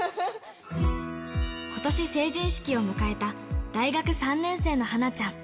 ことし成人式を迎えた大学３年生のはなちゃん。